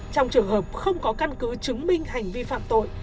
trong trường hợp không có căn cứ chứng minh hành vi phạm tội